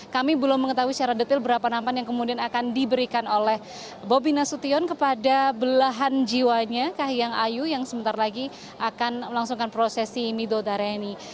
kami belum mengetahui secara detail berapa nampan yang kemudian akan diberikan oleh bobi nasution kepada belahan jiwanya kahiyang ayu yang sebentar lagi akan melangsungkan prosesi midodareni